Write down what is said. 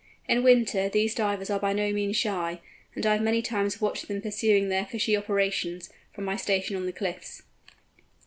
In winter these Divers are by no means shy, and I have many times watched them pursuing their fishing operations, from my station on the cliffs.